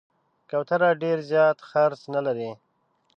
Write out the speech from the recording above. کوتره ډېر زیات خرڅ نه لري.